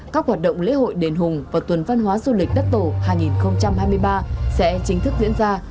các hoạt động lễ hội đền hùng và tuần văn hóa du lịch đất tổ hai nghìn hai mươi ba sẽ chính thức diễn ra